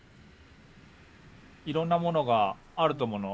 いろんなものがあると思うの。